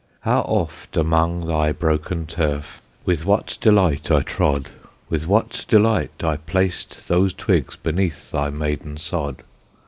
How oft among thy broken turf With what delight I trod, With what delight I placed those twigs Beneath thy maiden sod.